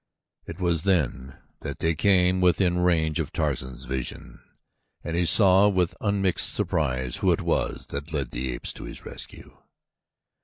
It was then that they came within range of Tarzan's vision and he saw with unmixed surprise who it was that led the apes to his rescue.